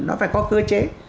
nó phải có cơ chế